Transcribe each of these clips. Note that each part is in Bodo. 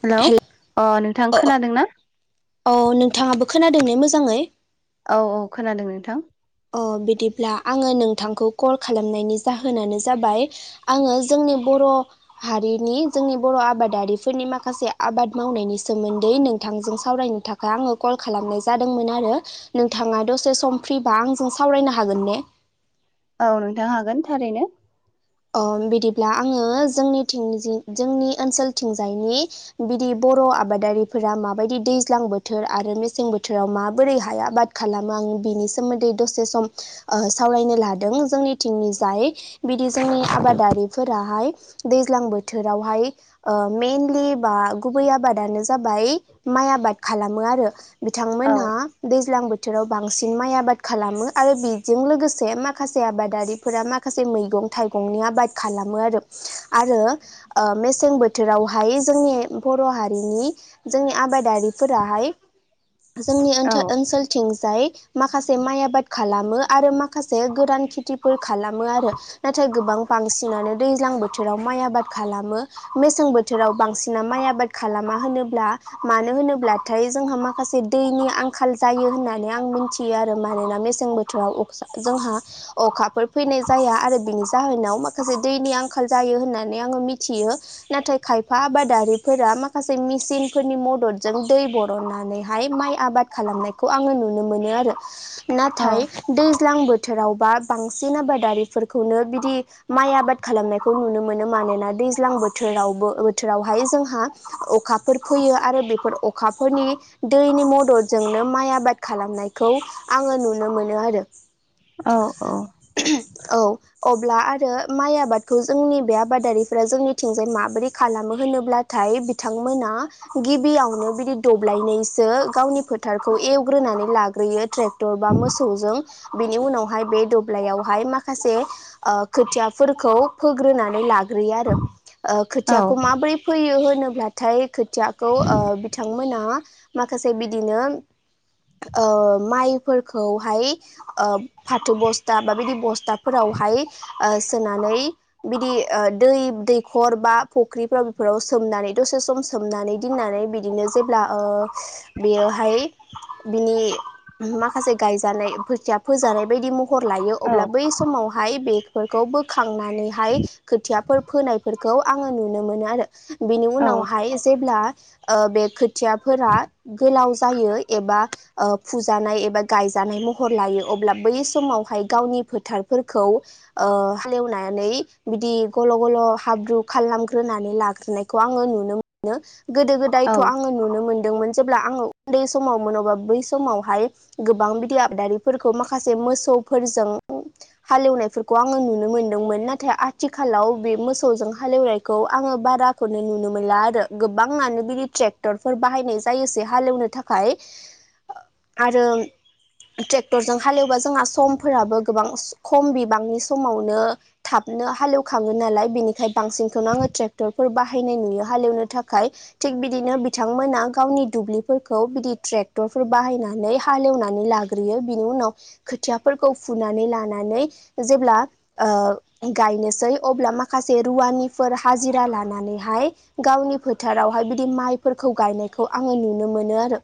हेलौ हेल अ नोंथां खोनादों ना? औ नोंथाङाबो खोनादों ने मोजाङै? औ औ खोनादों नोंथां। अ बिदिब्ला आङो नोंथांखौ कल खालामनायनि जाहोनानो जाबाय आङो जोंनि बर' हारिनि जोंनि बर' आबादारिफोरनि माखासे आबाद मावनायनि सोमोन्दै नोंथां जों सावरायनो थाखाय आङो कल खालामनाय जादोंमोन आरो नोंथाङा दसे सम फ्रि बा आंजों सावरायनो हागोन ने? औ नोंथां हागोन थारैनो बिदिब्ला आङो जोंनि जोंनि ओनसोलथिंजायनि बिदि बर' बर' आबादारिफोरा माबायदि दैज्लां बोथोर आरो मेसें बोथोराव माबोरैहाय आबाद खालामो आङो बिनि सोमोन्दै दसे सम सावरायनो लादों जोंनिथिंनि जाय बिदि जोंनि आबादारिफोराहाय दैज्लां बोथोरावहाय ओ मेनलि बा गुब बै आबादानो जाबाय माइ आबाद खालामो आरो औ बिथांमोनहा दैज्लां बोथोर बोथोराव बांसिन माइ आबाद खालामो आरो बेजों लोगोसे माखासे आबादारिफोरा माखासे मैगं थाइगंनि आबाद खालामो आरो आरो ओ मेसें बोथोरावहाय जोंनि बर' हारिनि जोंनि आबादारिफोराहाय जोंनि ओन औ ओनसोलथिंजाय माखासे माइ आबाद खालाम खालामो आरो माखासे गोरान खेथिफोर खालामो आरो। नाथाय गोबां बांसिनानो दैज्लां बोथोराव माइ आबाद खालामो मेसें बोथोराव बांसिना माइ आबाद खालामा होनोब्ला मानो होनोब्लाथाय जोंहा माखासे दैनि आंखाल जायो होननानै आं मिथियो आरो मानोना मेसें बोथोराव जोंहा अखाफोर फैनाय जाया आरो बेनि जाहोनाव माखासे दैनि आंखाल जायो होननानै आङो मिथियो नाथाय खायफा आबादारि फोरा माखासे मेसिन फोरनि मददजों दै बरननानैहाय माइ आबाद खालामनायखौ आङो नुनो नुनो मोनो आरो औ नाथाय दैज्लां बोथोरावबा बांसिन आबादारि खौनो बिदि माइ आबाद खालामनायखौ नुनो मोनो मानोना दैज्लां बोथोराव बोथोरावहाय जोंहा अखाफोर फैयो आरो बे अखाफोरनि दैनि मददजोंनो माइ आबाद खालामनायखौ आङो नुनो मोनो आरो। औ औ औ अब्ला आरो माइ आबादखौ जोंनि बे आबादारिफ्रा जोंनिथिंजाय माबोरै खालामो होनोब्ला थाय बिथांमोना गिबियावनो बिदि दब्लायनैसो गावनि फोथारखौ एवग्रोनानै लाग्रोयो ट्रेक्टर बा मोसौजों बेनि उनावहाय बे दब्लायावहाय माखासे खोथियाफोरखौ फोग्रोनानै लाग्रोयो आरो। खोथियाखौ औ माबोरै फैयो होनोब्लाथाय खोथियाखौ बिथांमोना माखासे बिदिनो माइफोरखौहाय फाथो बस्था बा बिदि बस्थाफोराव बिदि सोनानै बिदि दै दैखर बा फुख्रिफोराव बेफोराव सोम नानै सोमनानै दसे सम सोमनानै दोननानै बिदिनो जेब्ला बेयोहाय बिनि माखासे गायजानाय बोथिया फोजानाय बायदि म हर लायो अब्ला औ बै समाव बेफोरखौ बोखांनानैहाय खोथिया फोनायफोरखौ आङो नुनो मोनो आरो। बेनि औ उनावहाय जेब्ला बे खोथियाफोरा गोलाव जायो एबा फुजानाय एबा गायजानाय महर लायो अब्ला बै समावहाय गावनि फोथार फोरखौ हालेवनानै बिदि गल' गल' हाब्रु खालामग्रोनानै ला होनायखौ आङो नुनो मोनो गोदो गोदायथ' आङो नुनो मोनो। जेब्ला आङो उन्दै समाव मोन अब्ला बै समावहाय गोबां बिदि आबादारिफोरखौ माखासे मोसौफोरजों हालेवनायफोरखौ आङो नुनो मोनदोंमोन नाथाय आथिखालाव बे मोसौजों हालेवनायखौ आङो बारा खौनो नुनो मोनला आरो गोबांङानो बिदि ट्रेक्टरफोर बाहायनाय जायोसै हालेवनो थाखाय आरो ट्रेक्टरजों हालेवबा जोंहा समफोराबो गोबां खम बिबांनि समावनो थाबनो हालेवखाङो नालाय बेनिखाय बांसिनखौनो आङो ट्रेक्टर बाहायनाय नुयो हालेवनो थाखाय थिग बिदिनो बिथांमोना गावनि दुब्लिफोरखौ बिदि ट्रेक्ट टरफोर बाहायनानै हालेवनानै लाग्रोनो बिनि उनाव खोथियाफोरखौ फुनानै लानानै नानै जेब्ला नायनोसै अब्ला माखासे रुवानिफोर हाजिरा लानानै लानानैहाय गावनि फोथारावहाय बिदि माइफोरखौ गायनायखौ आङो नुनो मोनो आरो।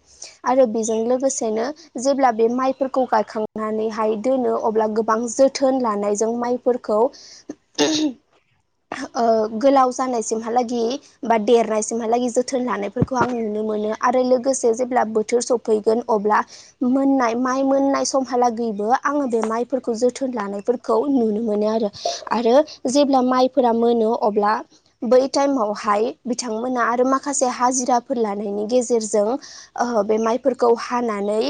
आरो बेजों लोगोसेनो जेब्ला बे माइफोरखौ गायखांनानैहाय दोनो अब्ला गोबां जोथोन लानायजों माइफोरखौ गोलाव जानायसिमहालागै बा देरनायसिमहालागै जोथोन लानायफोरखौ आं नुनो मोनो आरो लोगोसे जेब्ला बोथोर सफैगोन अब्ला मोननाय माइ मोननाय समहालागै निबो आंङो बे माइ फोरखौ जोथोन लानायफोरखौ नुनो मोनो आरो आरो जेब्ला माइफोरा मोनो अब्ला बै टाइमावहाय बिथांमोना आरो माखासे हाजिराफोर लानायनि गेजेरजों ओ बे माइफोरखौ हानानै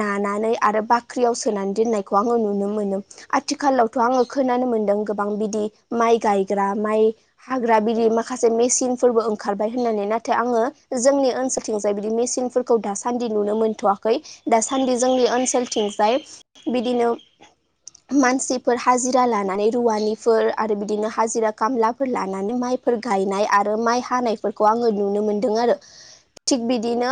नानानै आरो बाख्रियाव सोनानै दोननायखौ आङो नुनो मोनो। मोनो आथिखालावथ' आङो खोनानो मोनदों गोबां बिदि माइ गायग्रा माइ हाग्रा बिदि माखासे मेसिन फोरबो ओंखारबाय होननानै नाथाय आङो जोंनि ओनसोलथिं जाय बिदि मेसिनफोरखौ दासान्दि नुनो मोनथ'वा खै दासान्दि जोंनि ओनसोलथिंजाय बिदिनो मानसिफोर हाजिरा लानानै रुवानिफोर आरो बिदिनो हाजिरा खामलाफोर लानानै माइ बेफोर गायनाय आरो माइ हानायफोरखौ आङो नुनो मोनदों आरो थिग बिदिनो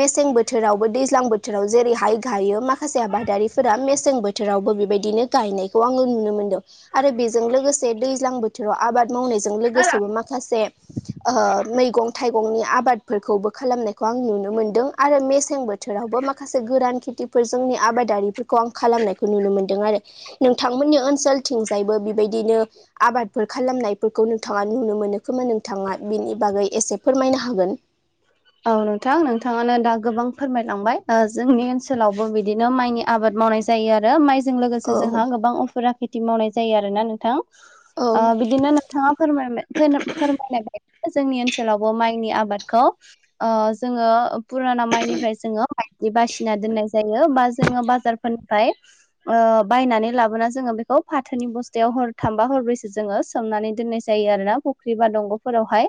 मेसें बोथोरावबो दैज्लां बोथोराव जेरैहाय गायो माखासे आबादारिफोर मेसें बोथोरावबो बेबाय दिनो गायनायखौ आो नुनो मोनदों आरो बेजों लोगोसे दैज्लां बोथोराव आबाद मावनायजों लोगोसेबो माखासे ओ मैगं थाइगंनि आबादफोरखौबो खालामनायखौ आं नुनो मोनदों आरो मेसें बो थोरावबो माखासे गोरान खेथिफोर जोंनि आबादारिफोरखौ आं खालामनायखौ नुनो मोनदों आरो नोंथांमोननि ओनसोलथिंजायबो बेबायदिनो आबादफोर खालामनायफोरखौ नोंथाङा नुनो मोनो खोमा नोंथाङा बेनि बागै एसे फोरमायनो हागोन औ नोंथां नोंथाङानो दा गोबां फोरमायलांबाय जोंनि ओनसोलावबो बिदिनो माइनि आबाद मावनाय जायो आरो माइजों लोगोसे औ जोंहा गोबां अफुरा खेथि मावनाय जायो आरोना नोंथां औ ओ बिदिनो नोंथाङा फोरमायनाय बाय जोंनि ओनसोलावबो माइनि आ बादखौ ओ जोङो फुराना माइनिफ्राय जोङो बिदि बासिना दोननाय जायो बा जोङो बाजारफोरनिफ्राय ओ बायनानै लाबोना जोङो बे खौ फाथोनि बस्थायाव हर थामबा हरब्रैसो जोङो सोमनानै दोननाय जायो आरोना फुख्रि बा दंग'फोरावहाय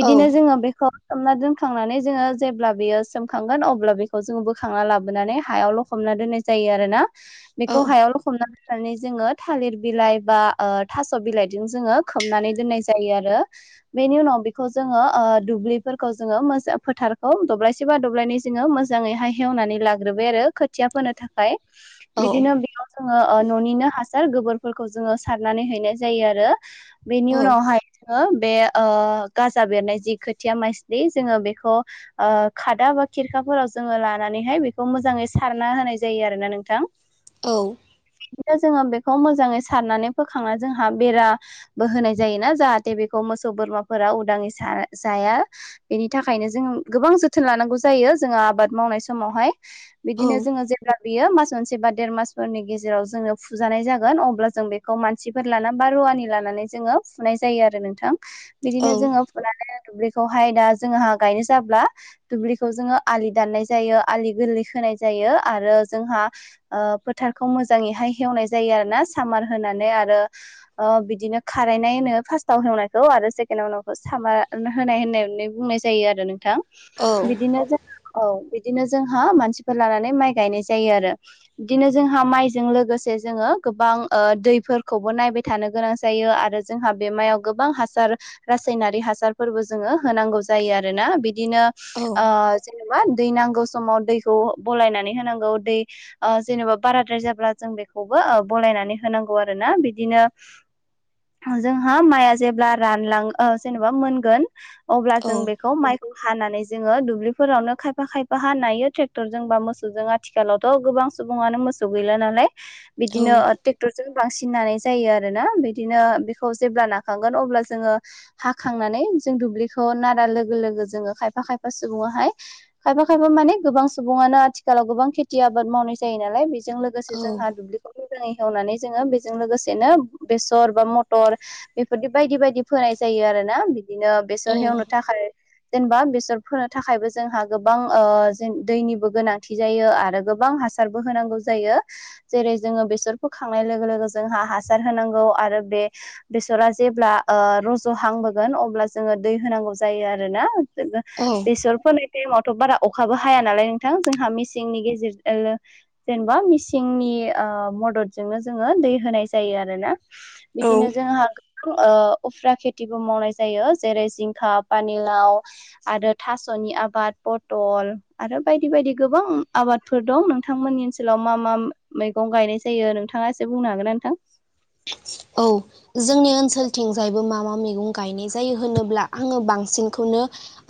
बिदिनो जोङो बेखौ सोमना दोन खांनानै जोङो जेब्ला बियो सोमखांगोन अब्ला बेखौ जोङो बोखांना लाबोनानै हायावल' हमना दोननाय जायो आरो ना औ बेखौ हायाव लखबनानै माने जोङो थालिर बिलाइ बा थास' बिलाइजों जोङो खोबनानै दोननाय जायो आरो बेनि उनाव बेखौ जोङो दुब्लिफोरखौ जोङो मोजां फोथारखौ दब्लायसे बा दब्लायनै जोङो मोजाङैहाय एवनानै लाग्रोबाय आरो खोथिया फोनो थाखाय औ बिदिनो बेयाव जोङो न'निनो हा सार गोबोरफोरखौ जोङो सारनानै हैनाय जायो आरो बेनि औ उनावहाय हो बे ओ गाजा बेरनाय जि खोथिया माय जोङो बेखौ ओ खादा बा खिरखाफोराव जोङो लानानैहाय बेखौ मोजाङै सारना हो नाय जायो आरोना नोंथां औ जोङो बेखौ मोजाङै सारनानै फोखांना जोंहा बेराबो होनाय जायोना जाहाथे बेखौ मोसौ बोरमाफोरा उदाङै जाया बेनि थाखायनो जों गोबां जोथोन लानांगौ जायो जोङो आबाद मावनाय समावहाय बिदिनो जोङो जेब्ला बियो मास मोनसे बा देर मासफोरनि गेजेराव जोंङो फुजानाय जागोन अब्ला जों बेखौ मानसिफोर लाना बा रु- वानि लानानै जोङो फुनाय जायो आरो नोंथां बिदिनो औ जोङो फुनानै दुब्लिखौहाय दा जोंहा गायनो जाब्ला दुब्लिखौ जोङो आलि दाननाय जायो आलि गोरलै होनाय जायो आरो जोंहा ओ फोथारखौ मोजाङैहाय हेवनाय जायो आरोना सामार होनानै आरो ओ बिदिनो खारायनाय होनो फार्स्टव हेवनायखौ आरो सेकेणड आव हेवनायखौ सामार होनाय होननाय बुंनाय जायो आरो नोंथां बिदिनो जों औ बिदिनो जोंहा मानसिफोर लानानै माइ गायनाय जायो आरो बिदिनो जोंहा माइजों लोगोसे जोङो गोबां ओ दैफोरखौबो नायबाय थानो गोनां जायो आरो जोंहा बे मायाव गोबां हासार रासायनारि हासारफोरबो जोङो होनांगौ जायो आरोना बिदिनो ओ जेनेबा दै नांगौ समाव दैखौ बलायनानै होनांगौ दै ओ जेनेबा बाराद्राय जाब्ला जों बेखौबो ओ बलायनानै होनांगौ आरोना बिदिनो जोंहा माइआ जेब्ला रानलाङो ओ जेनेबा मोनगोन अब्ला जों बेखौ माइखौ हानानै जोङो दुब्लिफोरावनो खायफा खायफाहा नायो ट्रेक्टरजों बा मोसौजों आथिखालावथ' गोबां सुबुङानो मोसौ गैला नालाय बिदिनो ट्रेक्टरजों बांसिन नानाय जायो आरोना बिदिनो बेखौ जेब्ला नाखांगोन अब्ला जोङो हाखांनानै जों दुबलिखौ ना- लोगो लोगो जोङो खायफा खायफा सुबुङाहाय खायफा खायफा माने गोबां सुबुङानो आथिखालाव गोबां खेथि आबाद मावनाय जायो नालाय बेजों लोगोसे जोंहा औ दुब्लिखौ एवनानै जोङो बेजों लोगोसेनो बेसर बा मथर बेफोरदि बायदि बायदि फोनाय जायो। आरो ना बिदिनो बेसर हेवनो थाखाय जेनेबा बेसर फोनो थाखायबो जोंहा गोबां ओ जों दैनिबो गोनांथि जायो आरो गोबां हासारबो होनांगौ जायो जेरै जोङो बेसरखौ फोखांनाय लोगो लोगो जोंहा हासार होनांगौ आरो बे बेसरा जेब्ला ओ रज'हांबोगोन अब्ला जोङो दै होनांगौ जा- यो आरोना जो औ बेसर फोनाय- मावथ' बारा अखाबो हाया नालाय नोंथां जोंहा मिसिंनि गेजेर जेनेबा मिसिंनि ओ मददजोंनो जोङो दै होनाय जायो आरोना औ बिदिनो जोंहा गोबां ओ उफ्रा खेथिबो मावनाय जायो जेरै जिंखा फानिलाव आरो थास'नि आबाद पथल आरो बायदि बायदि गोबां आ बादफोर दं नोंथांमोननि ओनसोलाव मा मा मैगं गायनाय। जायो नोंथाङा एसे बुंनो हागोन नोंथां? थिंजायबो मा मा मैगं गायनाय जायो होनोब्ला आङो बांसिनखौनो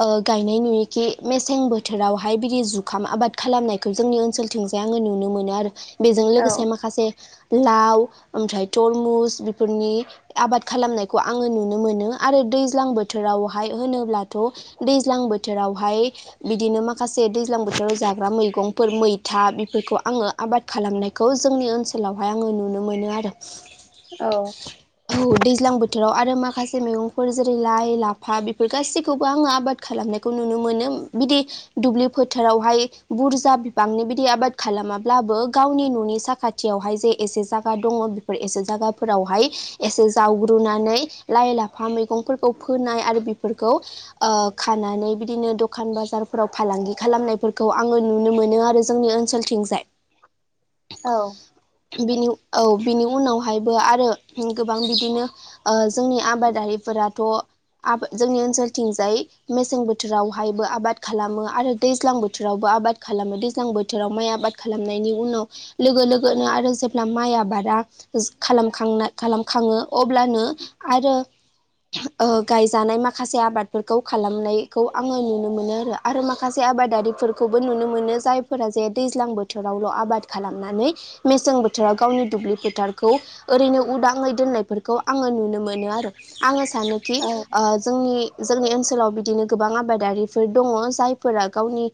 ओ गायनाय नुयोखि बे मेसें बोथोरावहाय बिदि जुखाम आबाद खालामनायखौ जोंनि ओनसोलथिंजाय आङो नुनो मोनो आरो बेजों औ लोगोसे माखासे लाव ओमफ्राय तरमुस बेफोरनि आबाद खालामनायखौ आङो नुनो मोनो। आरो दैज्लां बोथोरावहाय होनोब्लाथ' दैज्लां बोथोरावहाय बिदिनो मा- खासे दैज्लां बोथोराव जाग्रा मैगंफोर मैथा बेफोरखौ आङो आबाद खालामनायखौ जोंनि ओनसोलाव हाय आङो नुनो मोनो आरो औ ओ बोथोराव आरो माखासे मैगंफोर जेरै लाइ लाफा बेफोर गाैखौबो आङो आबाद खालामनायखौ नुनो मोनो। दुब्लि फोथारावहाय बुरजा बिबांनि बिदि आबाद खालामाब्लाबो गावनि न'नि साखाथि यावहाय जे एसे जागा दङ बेफोर एसे जायगाफोरावहाय एसे जावग्रोनानै लाइ लाफा मैगंफोरखौ फोनाय आरो बेफोरखौ ओ खानानै बिदिनो दखान बाजारफोराव फालांगि खालामनायफोरखौ आङो नुनो मोनो आरो जोंनि ओनसोलथिंजाय औ बिनि औ बिनि उनावहायबो आरो गोबां बिदिनो ओ जोंनि आबादारिफोर फोराथ' आबाद जोंनि ओनसोलथिंजाय मेसें बोथोरावहायबो आबाद खालामो आरो दैज्लां बोथोरावबो आबाद खालामो दैज्लां बोथोराव माइ आबाद खालामनायनि उनाव लोगो लोगो ो आरो जेब्ला माइ आ बारा खालामखां खालाम खाङो अब्लानो आरो गायजानाय माखासे आबादफोरखौ खालामनायखौ आङो नुनो मोनो आरो आरो माखासे आबादारिफोरखौबो नुनो मोनो जायफोरा जे दैज्लां बोथोरावल' आबाद खालामनानै मेसें ब फोथाराव गावनि दुब्लि फोथारखौ ओरैनो उदाङै दोननायफोरखौ आङो नुनो मोनो आरो आङो सानोखि नंगौ जोंनि जोंनि ओनसोलाव बिदिनो गोबां आबादारिफोर दङ। जायफोरा गावनि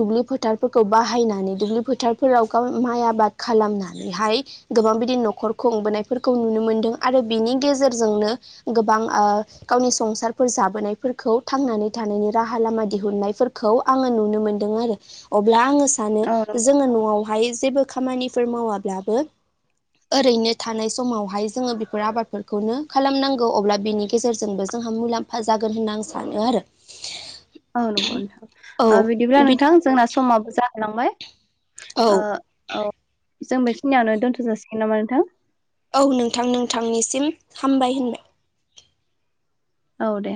दुब्लि फोथारफोरखौ बाहायनानै दुब्लि फोथारफोराव गाव माइ आबाद नानैहाय गोबां बिदि न'खर खुंबोनायफोरखौ नुनो मोनदों आरो बिनि गेजेरजोंनो गोबां गावनि संसारफोर जाबोनायफोरखौ थांनानै थानायनि राहा लामा दिहुननायफोरखौ आङो नुनो मोनदों आरो अब्ला आङो सानो औ जोङो न'आवहाय जेबो खामानि माब्लाबो ओरैनो थानाय समावहाय जोङो बेफोर आबादफोरखौनो खालामनांगौ अब्ला बिनि गेजेरजोंबो जों जोंहा मुलाम्फा जागोन होननानै आं सानो आरो औ नंगौ नोंथां बिदिब्ला औ बि नोंथां जोंना समाबो जाखालांबाय औ औ जों बेखिनियावनो दोनथ' जासिगोन नामा नोंथां। औ नोंथां नोंथांनिसिम हामबाय होनबाय औ दे।